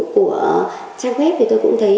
của trang web thì tôi cũng thấy